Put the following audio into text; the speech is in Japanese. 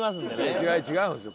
違う違うんですよ。